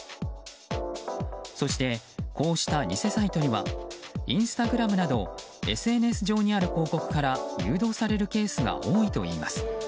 そして、こうした偽サイトにはインスタグラムなどＳＮＳ上にある広告から誘導されるケースが多いといいます。